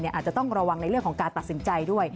อาจจะต้องระวังในเรื่องของการตัดสินใจด้วย